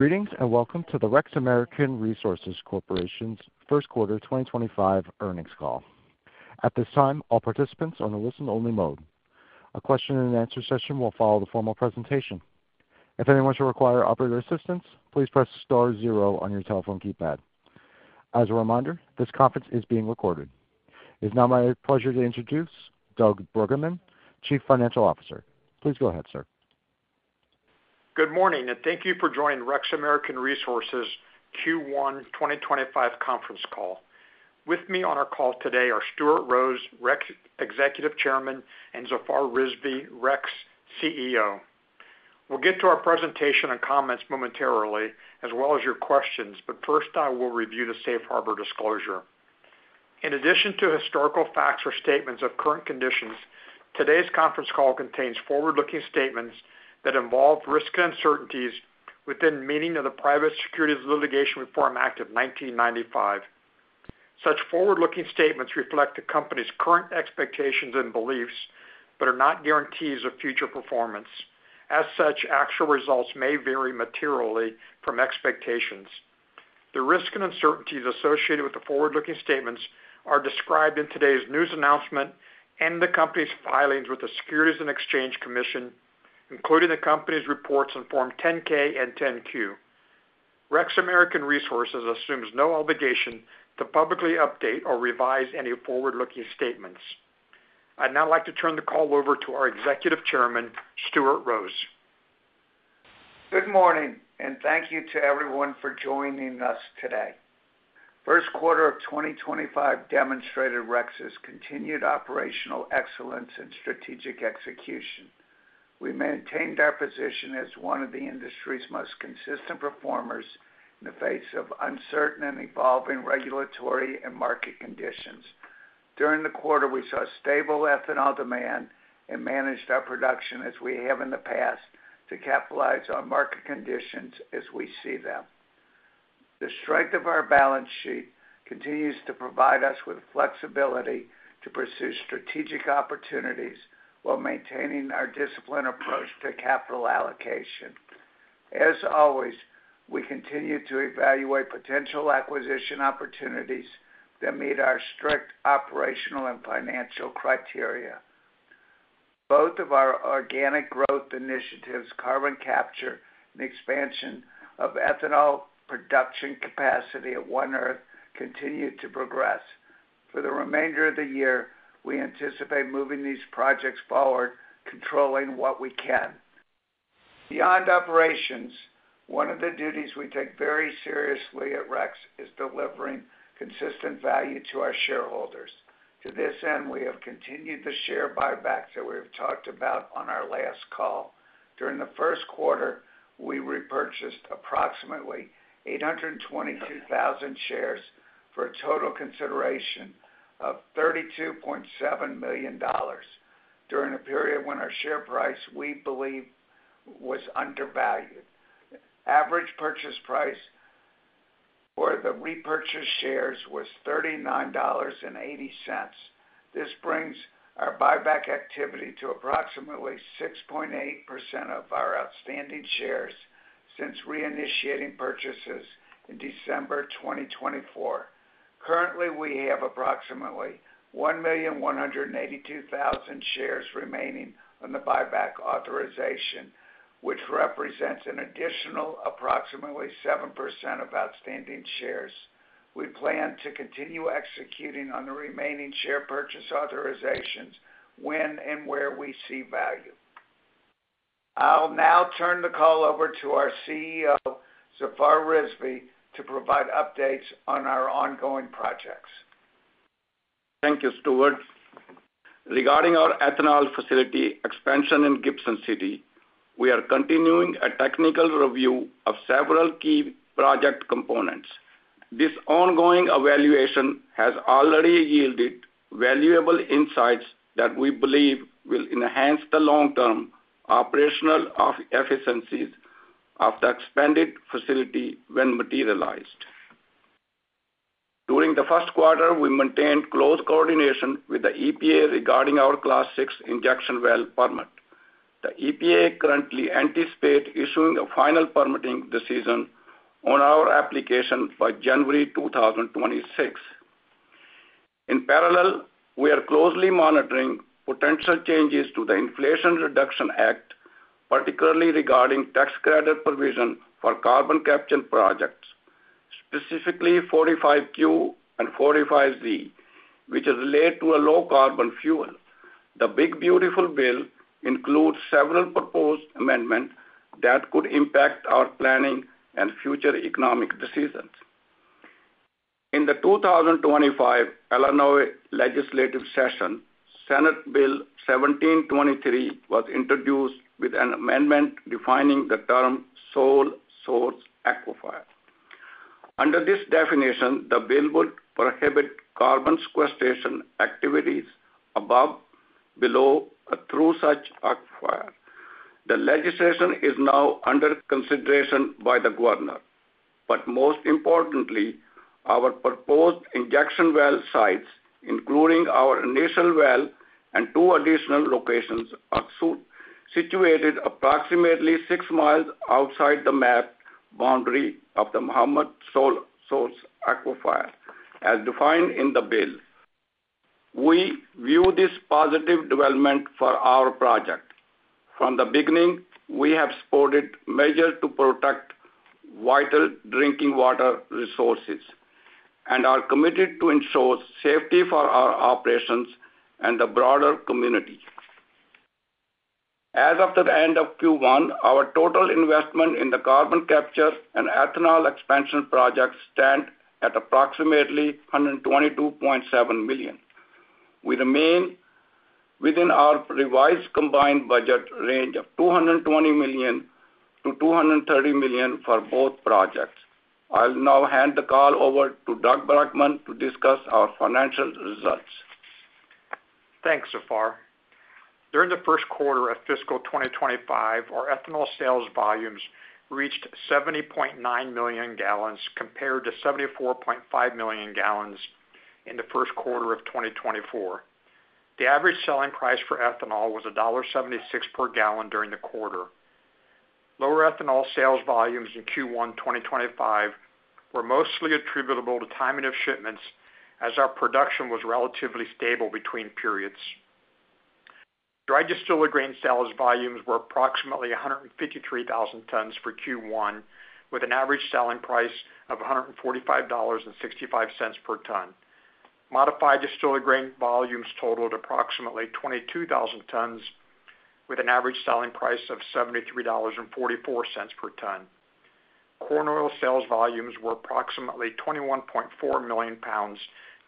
Greetings and welcome to the REX American Resources Corporation's First Quarter 2025 Earnings Call. At this time, all participants are in a listen-only mode. A question-and-answer session will follow the formal presentation. If anyone should require operator assistance, please press star zero on your telephone keypad. As a reminder, this conference is being recorded. It is now my pleasure to introduce Doug Bruggeman, Chief Financial Officer. Please go ahead, sir. Good morning, and thank you for joining the REX American Resources Q1 2025 conference call. With me on our call today are Stuart Rose, REX Executive Chairman, and Zafar Rizvi, REX CEO. We'll get to our presentation and comments momentarily, as well as your questions, but first I will review the safe harbor disclosure. In addition to historical facts or statements of current conditions, today's conference call contains forward-looking statements that involve risk and uncertainties within meaning of the Private Securities Litigation Reform Act of 1995. Such forward-looking statements reflect the company's current expectations and beliefs but are not guarantees of future performance. As such, actual results may vary materially from expectations. The risk and uncertainties associated with the forward-looking statements are described in today's news announcement and the company's filings with the Securities and Exchange Commission, including the company's reports in Form 10-K and 10-Q. REX American Resources assumes no obligation to publicly update or revise any forward-looking statements. I'd now like to turn the call over to our Executive Chairman, Stuart Rose. Good morning, and thank you to everyone for joining us today. First quarter of 2025 demonstrated REX's continued operational excellence and strategic execution. We maintained our position as one of the industry's most consistent performers in the face of uncertain and evolving regulatory and market conditions. During the quarter, we saw stable ethanol demand and managed our production as we have in the past to capitalize on market conditions as we see them. The strength of our balance sheet continues to provide us with flexibility to pursue strategic opportunities while maintaining our disciplined approach to capital allocation. As always, we continue to evaluate potential acquisition opportunities that meet our strict operational and financial criteria. Both of our organic growth initiatives, carbon capture, and expansion of ethanol production capacity at One Earth continue to progress. For the remainder of the year, we anticipate moving these projects forward, controlling what we can. Beyond operations, one of the duties we take very seriously at REX is delivering consistent value to our shareholders. To this end, we have continued the share buybacks that we have talked about on our last call. During the first quarter, we repurchased approximately 822,000 shares for a total consideration of $32.7 million during a period when our share price, we believe, was undervalued. Average purchase price for the repurchased shares was $39.80. This brings our buyback activity to approximately 6.8% of our outstanding shares since reinitiating purchases in December 2024. Currently, we have approximately 1,182,000 shares remaining on the buyback authorization, which represents an additional approximately 7% of outstanding shares. We plan to continue executing on the remaining share purchase authorizations when and where we see value. I'll now turn the call over to our CEO, Zafar Rizvi, to provide updates on our ongoing projects. Thank you, Stuart. Regarding our ethanol facility expansion in Gibson City, we are continuing a technical review of several key project components. This ongoing evaluation has already yielded valuable insights that we believe will enhance the long-term operational efficiencies of the expanded facility when materialized. During the first quarter, we maintained close coordination with the EPA regarding our Class 6 injection well permit. The EPA currently anticipates issuing a final permitting decision on our application by January 2026. In parallel, we are closely monitoring potential changes to the Inflation Reduction Act, particularly regarding tax credit provision for carbon capture projects, specifically 45Q and 45Z, which is related to a low-carbon fuel. The Big Beautiful Bill includes several proposed amendments that could impact our planning and future economic decisions. In the 2025 Illinois legislative session, Senate Bill 1723 was introduced with an amendment defining the term "soil source aquifer." Under this definition, the bill would prohibit carbon sequestration activities above, below, or through such aquifers. The legislation is now under consideration by the governor. Most importantly, our proposed injection well sites, including our initial well and two additional locations, are situated approximately 6 mi outside the map boundary of the Mahomet Sole Source Aquifer, as defined in the bill. We view this as a positive development for our project. From the beginning, we have supported measures to protect vital drinking water resources and are committed to ensuring safety for our operations and the broader community. As of the end of Q1, our total investment in the carbon capture and ethanol expansion projects stands at approximately $122.7 million. We remain within our revised combined budget range of $220 million-$230 million for both projects. I'll now hand the call over to Doug Bruggeman to discuss our financial results. Thanks, Zafar. During the first quarter of fiscal 2025, our ethanol sales volumes reached 70.9 million gallons, compared to 74.5 million gallons in the first quarter of 2024. The average selling price for ethanol was $1.76 per gallon during the quarter. Lower ethanol sales volumes in Q1 2025 were mostly attributable to timing of shipments, as our production was relatively stable between periods. Dry distillate grain sales volumes were approximately 153,000 tons for Q1, with an average selling price of $145.65 per ton. Modified distillate grain volumes totaled approximately 22,000 tons, with an average selling price of $73.44 per ton. Corn oil sales volumes were approximately 21.4 million pounds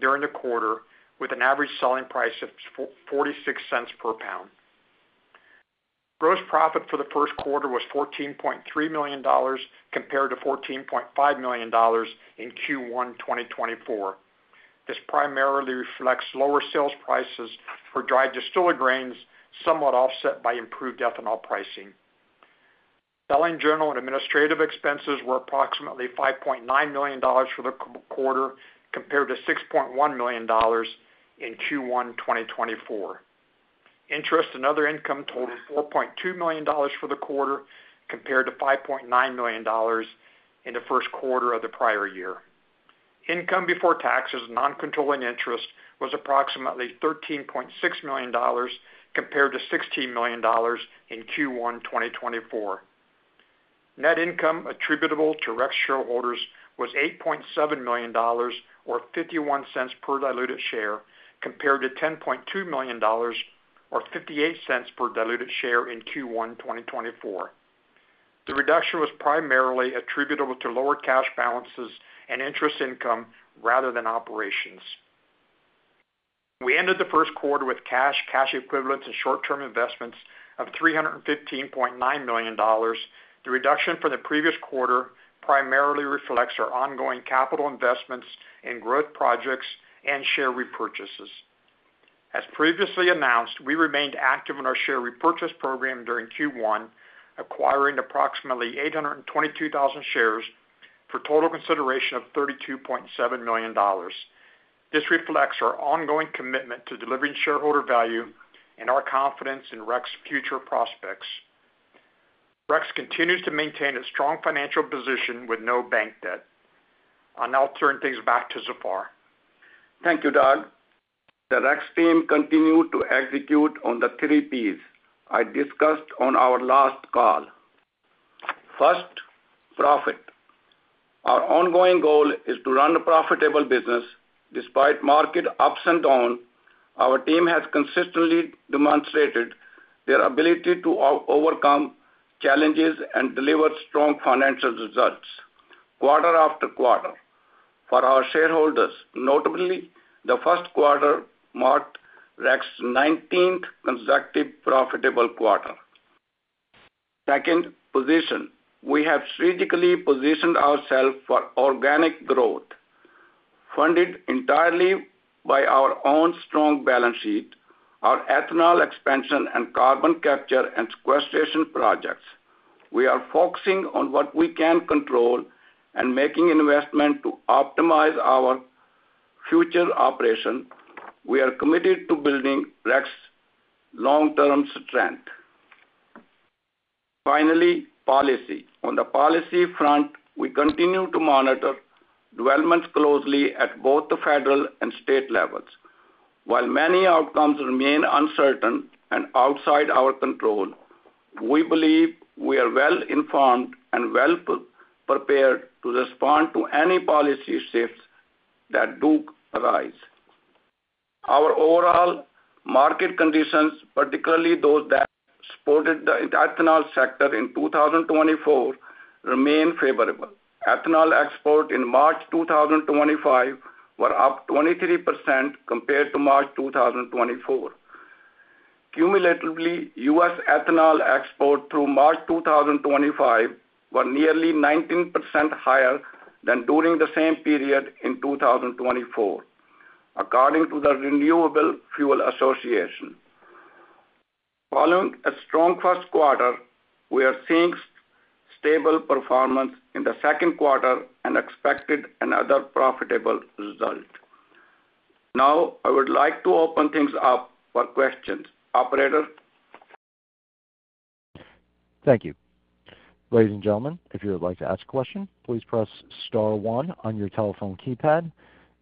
during the quarter, with an average selling price of $0.46 per pound. Gross profit for the first quarter was $14.3 million, compared to $14.5 million in Q1 2024. This primarily reflects lower sales prices for dry distillers grain, somewhat offset by improved ethanol pricing. Selling, general, and administrative expenses were approximately $5.9 million for the quarter, compared to $6.1 million in Q1 2024. Interest and other income totaled $4.2 million for the quarter, compared to $5.9 million in the first quarter of the prior year. Income before taxes, non-controlling interest, was approximately $13.6 million, compared to $16 million in Q1 2024. Net income attributable to REX shareholders was $8.7 million, or $0.51 per diluted share, compared to $10.2 million, or $0.58 per diluted share in Q1 2024. The reduction was primarily attributable to lower cash balances and interest income rather than operations. We ended the first quarter with cash, cash equivalents, and short-term investments of $315.9 million. The reduction from the previous quarter primarily reflects our ongoing capital investments in growth projects and share repurchases. As previously announced, we remained active in our share repurchase program during Q1, acquiring approximately 822,000 shares for a total consideration of $32.7 million. This reflects our ongoing commitment to delivering shareholder value and our confidence in REX's future prospects. REX continues to maintain its strong financial position with no bank debt. I'll now turn things back to Zafar. Thank you, Doug. The REX team continued to execute on the three Ps I discussed on our last call. First, profit. Our ongoing goal is to run a profitable business. Despite market ups and downs, our team has consistently demonstrated their ability to overcome challenges and deliver strong financial results, quarter after quarter. For our shareholders, notably, the first quarter marked REX's 19th consecutive profitable quarter. Second, position. We have strategically positioned ourselves for organic growth. Funded entirely by our own strong balance sheet, our ethanol expansion and carbon capture and sequestration projects, we are focusing on what we can control and making investments to optimize our future operations. We are committed to building REX's long-term strength. Finally, policy. On the policy front, we continue to monitor developments closely at both the federal and state levels. While many outcomes remain uncertain and outside our control, we believe we are well-informed and well-prepared to respond to any policy shifts that do arise. Our overall market conditions, particularly those that supported the ethanol sector in 2024, remain favorable. Ethanol exports in March 2025 were up 23% compared to March 2024. Cumulatively, U.S. ethanol exports through March 2025 were nearly 19% higher than during the same period in 2024, according to the Renewable Fuel Association. Following a strong first quarter, we are seeing stable performance in the second quarter and expected another profitable result. Now, I would like to open things up for questions. Operator. Thank you. Ladies and gentlemen, if you would like to ask a question, please press Star 1 on your telephone keypad,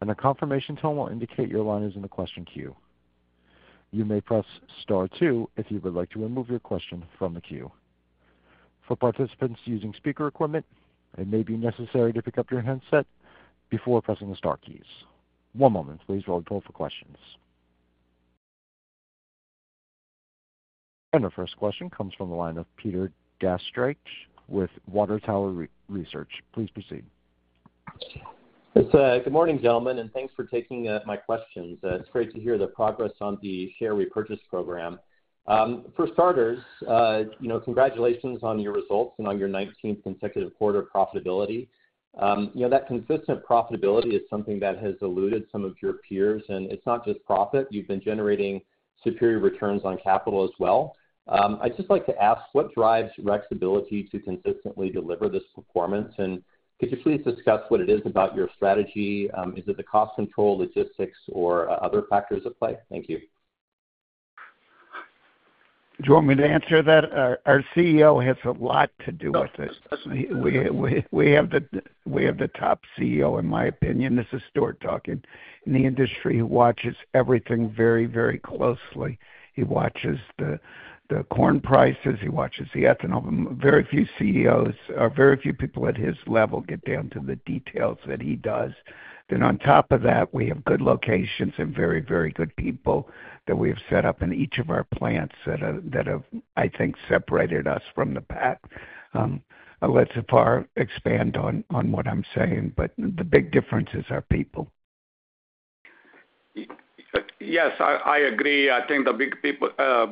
and a confirmation tone will indicate your line is in the question queue. You may press Star 2 if you would like to remove your question from the queue. For participants using speaker equipment, it may be necessary to pick up your headset before pressing the Star keys. One moment, please, while we pull up for questions. Our first question comes from the line of Peter Gastreich with Water Tower Research. Please proceed. Good morning, gentlemen, and thanks for taking my questions. It's great to hear the progress on the share repurchase program. For starters, congratulations on your results and on your 19th consecutive quarter of profitability. That consistent profitability is something that has eluded some of your peers, and it's not just profit. You've been generating superior returns on capital as well. I'd just like to ask, what drives REX's ability to consistently deliver this performance? Could you please discuss what it is about your strategy? Is it the cost control, logistics, or other factors at play? Thank you. Do you want me to answer that? Our CEO has a lot to do with it. We have the top CEO, in my opinion. This is Stuart talking. In the industry, he watches everything very, very closely. He watches the corn prices. He watches the ethanol. Very few CEOs, or very few people at his level, get down to the details that he does. On top of that, we have good locations and very, very good people that we have set up in each of our plants that have, I think, separated us from the pack. I'll let Zafar expand on what I'm saying, but the big difference is our people. Yes, I agree. I think the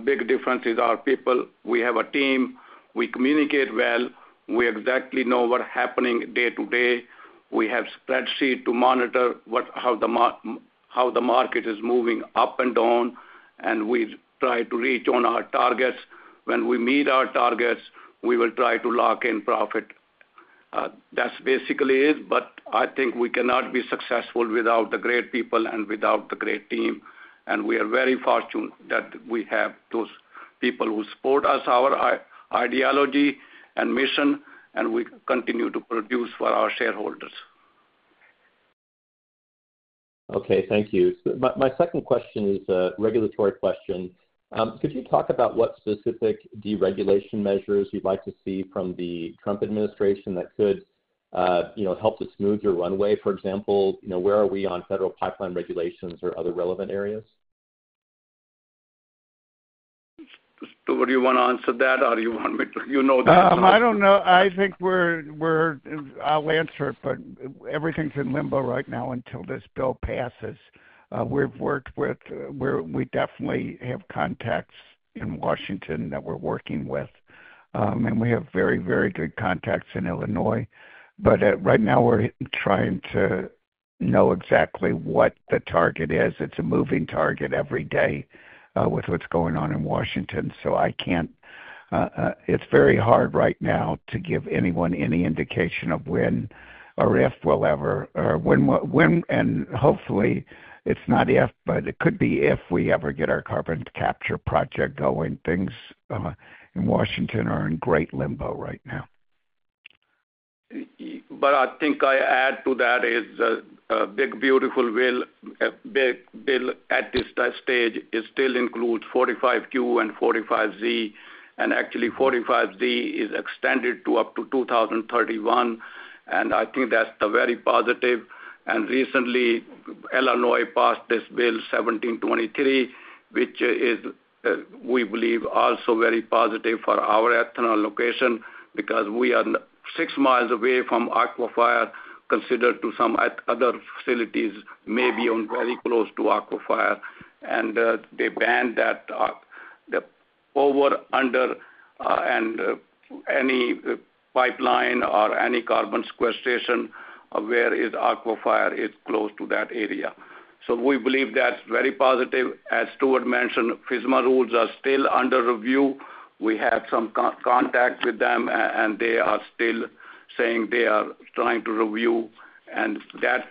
big difference is our people. We have a team. We communicate well. We exactly know what's happening day to day. We have a spreadsheet to monitor how the market is moving up and down, and we try to reach our targets. When we meet our targets, we will try to lock in profit. That's basically it. I think we cannot be successful without the great people and without the great team. We are very fortunate that we have those people who support us, our ideology and mission, and we continue to produce for our shareholders. Okay, thank you. My second question is a regulatory question. Could you talk about what specific deregulation measures you'd like to see from the Trump administration that could help to smooth your runway? For example, where are we on federal pipeline regulations or other relevant areas? Stuart, do you want to answer that, or do you want me to? You know the answer. I don't know. I think we're—I'll answer it, but everything's in limbo right now until this bill passes. We've worked with—we definitely have contacts in Washington that we're working with, and we have very, very good contacts in Illinois. Right now, we're trying to know exactly what the target is. It's a moving target every day with what's going on in Washington, so I can't—it's very hard right now to give anyone any indication of when or if we'll ever—and hopefully, it's not if, but it could be if we ever get our carbon capture project going. Things in Washington are in great limbo right now. I think I add to that is a Big Beautiful Bill at this stage still includes 45Q and 45Z, and actually, 45Z is extended to up to 2031, and I think that's very positive. Recently, Illinois passed this Bill 1723, which is, we believe, also very positive for our ethanol location because we are 6 mi away from aquifer, considered to some other facilities may be very close to aquifer. They banned that over, under, and any pipeline or any carbon sequestration where aquifer is close to that area. We believe that's very positive. As Stuart mentioned, FSMA rules are still under review. We have some contact with them, and they are still saying they are trying to review, and that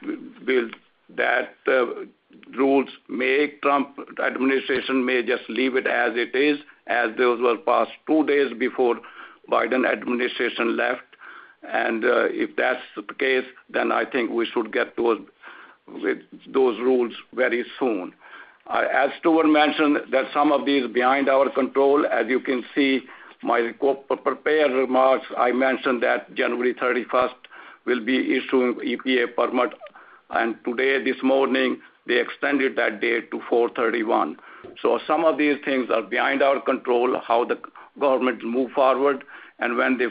rules may—Trump administration may just leave it as it is, as those were passed two days before the Biden administration left. If that's the case, then I think we should get those rules very soon. As Stuart mentioned, there's some of these behind our control. As you can see, my prepared remarks, I mentioned that January 31st will be issuing EPA permit, and today, this morning, they extended that date to April 31. Some of these things are behind our control, how the government moves forward and when they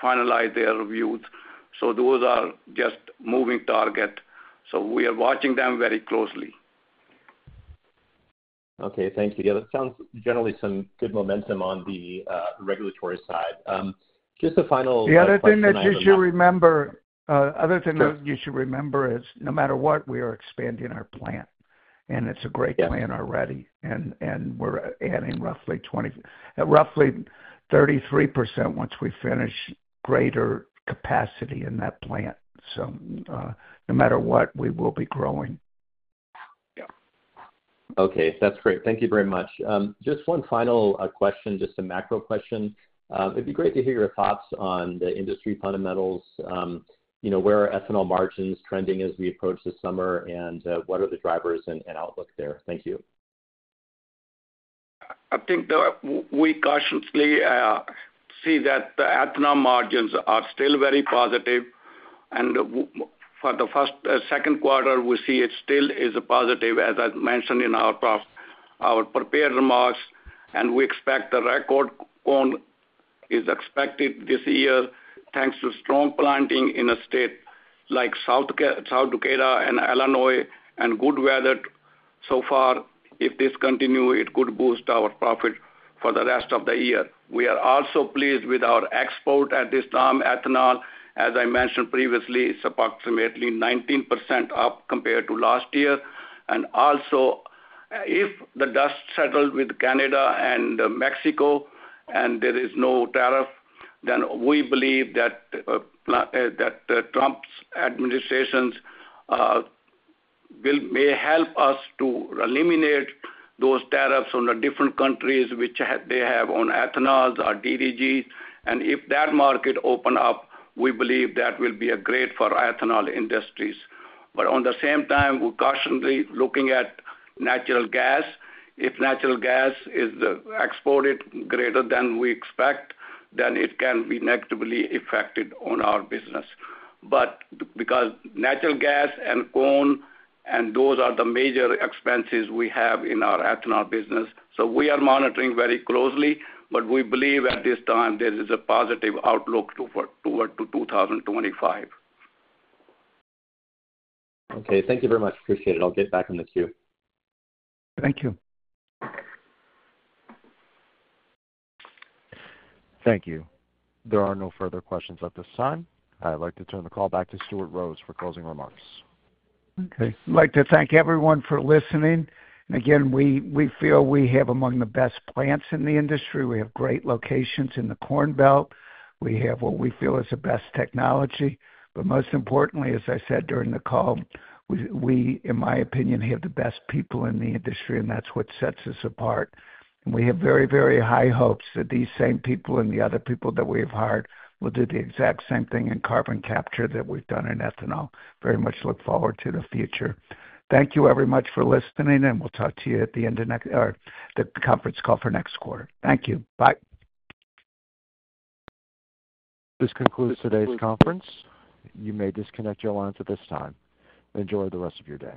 finalize their reviews. Those are just moving targets. We are watching them very closely. Okay, thank you. Yeah, that sounds generally some good momentum on the regulatory side. Just a final. The other thing that you should remember is, no matter what, we are expanding our plant, and it's a great plant already. We are adding roughly 33% once we finish greater capacity in that plant. No matter what, we will be growing. Okay, that's great. Thank you very much. Just one final question, just a macro question. It'd be great to hear your thoughts on the industry fundamentals. Where are ethanol margins trending as we approach the summer, and what are the drivers and outlook there? Thank you. I think we cautiously see that the ethanol margins are still very positive. For the first and second quarter, we see it still is a positive, as I mentioned in our prepared remarks. We expect the record on is expected this year, thanks to strong planting in a state like South Dakota and Illinois, and good weather so far. If this continues, it could boost our profit for the rest of the year. We are also pleased with our export at this time, ethanol. As I mentioned previously, it's approximately 19% up compared to last year. Also, if the dust settles with Canada and Mexico and there is no tariff, we believe that Trump's administrations may help us to eliminate those tariffs on the different countries which they have on ethanols or DDGs. If that market opens up, we believe that will be great for ethanol industries. At the same time, we're cautionarily looking at natural gas. If natural gas is exported greater than we expect, then it can be negatively affected on our business. Because natural gas and corn, those are the major expenses we have in our ethanol business, so we are monitoring very closely, but we believe at this time there is a positive outlook toward 2025. Okay, thank you very much. Appreciate it. I'll get back on the queue. Thank you. Thank you. There are no further questions at this time. I'd like to turn the call back to Stuart Rose for closing remarks. Okay. I'd like to thank everyone for listening. Again, we feel we have among the best plants in the industry. We have great locations in the Corn Belt. We have what we feel is the best technology. Most importantly, as I said during the call, we, in my opinion, have the best people in the industry, and that's what sets us apart. We have very, very high hopes that these same people and the other people that we have hired will do the exact same thing in carbon capture that we've done in ethanol. Very much look forward to the future. Thank you very much for listening, and we'll talk to you at the end of the conference call for next quarter. Thank you. Bye. This concludes today's conference. You may disconnect your lines at this time. Enjoy the rest of your day.